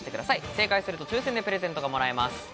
正解すると抽選でプレゼントがもらえます。